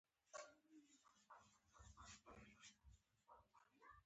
آیا هر ګټور شی توکی ګڼل کیږي؟